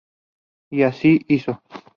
Y así hizo.